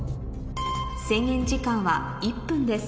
制限時間は１分です